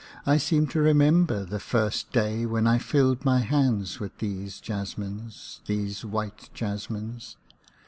I seem to remember the first day when I filled my hands with these jasmines, these white jasmines.